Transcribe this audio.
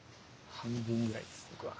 半分ぐらいです僕は。